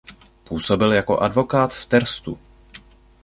Působil jako advokát v Terstu.